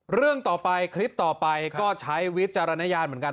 เรื่องต่อไปคลิปต่อไปก็ใช้วิจารณญาณเหมือนกัน